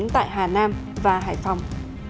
tại hà nam và hải phòng